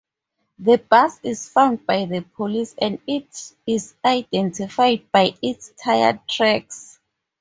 The bus is found by the police and is identified by its tire tracks.